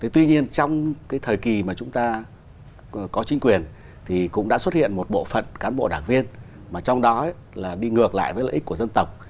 tuy nhiên trong cái thời kỳ mà chúng ta có chính quyền thì cũng đã xuất hiện một bộ phận cán bộ đảng viên mà trong đó là đi ngược lại với lợi ích của dân tộc